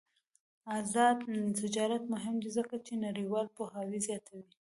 آزاد تجارت مهم دی ځکه چې نړیوال پوهاوی زیاتوي.